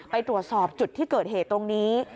ไปตรวจสอบจุดที่เกิดเหตุตรงนี้